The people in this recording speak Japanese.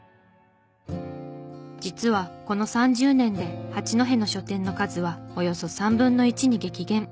実はこの３０年で八戸の書店の数はおよそ３分の１に激減。